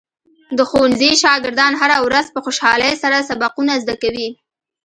د ښوونځي شاګردان هره ورځ په خوشحالۍ سره سبقونه زده کوي.